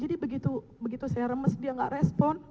jadi begitu saya remes dia gak respon